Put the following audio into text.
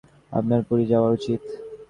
আপনার পুরী যাওয়াই উচিত।